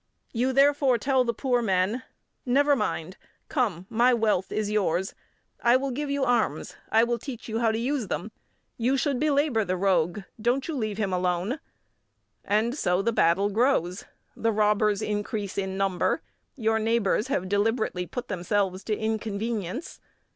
You, therefore, tell the poor men: "Never mind. Come, my wealth is yours, I will give you arms, I will teach you how to use them; you should belabour the rogue; don't you leave him alone." And so the battle grows; the robbers increase in number; your neighbours have deliberately put themselves to inconvenience.